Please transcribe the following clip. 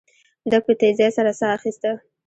ده په تيزۍ سره ساه اخيسته.